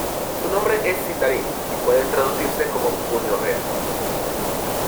Su nombre es Sindarin y puede traducirse como "Puño Real".